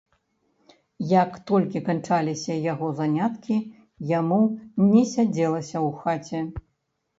Як толькі канчаліся яго заняткі, яму не сядзелася ў хаце.